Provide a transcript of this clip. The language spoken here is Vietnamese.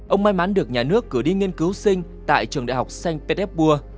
ông may mắn được nhà nước cử đi nghiên cứu sinh tại trường đại học sanh petepua